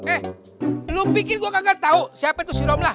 eh lu pikir gue kagak tahu siapa itu si romlah